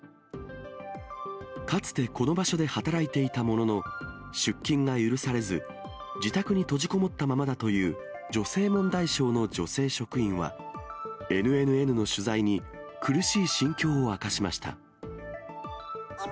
かつてこの場所で働いていたものの、出勤が許されず、自宅に閉じこもったままだという、女性問題省の女性職員は、ＮＮＮの取材に苦しい心境を明かしました。